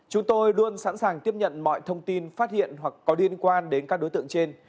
chúng tôi luôn sẵn sàng tiếp nhận mọi thông tin phát hiện hoặc có liên quan đến các đối tượng trên